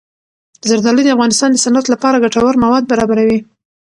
زردالو د افغانستان د صنعت لپاره ګټور مواد برابروي.